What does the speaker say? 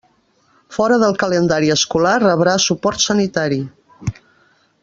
Fora del calendari escolar rebrà suport sanitari.